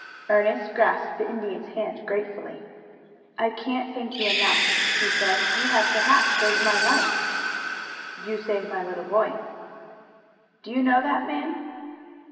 Ernest grasped the Indian's hand gratefully. "I can't thank you enough," he said. "You have perhaps saved my life." "You save my little boy." "Do you know that man?"